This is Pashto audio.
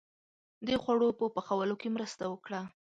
• د خوړو په پخولو کې مرسته وکړه.